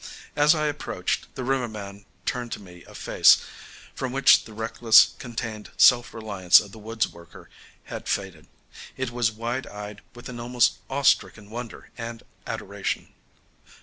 As I approached, the riverman turned to me a face from which the reckless, contained self reliance of the woods worker had faded. It was wide eyed with an almost awe stricken wonder and adoration.